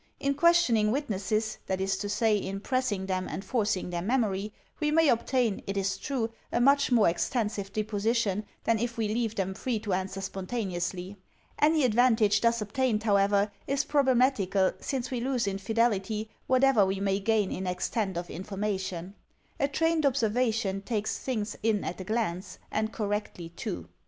In questioning witnesses — that is to say, in pressing them and forcing their memory — we may obtain, it is true, a much more extensive deposition than if we leave them free to answer spontaneously. Any advantage thus obtained, how ever, is problematical, since we lose in fidelity whatever we may gain in extent of information. A trained observation takes things in at a glance, and correctly, too.